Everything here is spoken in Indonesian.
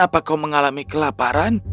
apa kau mempunyai kegelapan